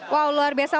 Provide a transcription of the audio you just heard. wow luar biasa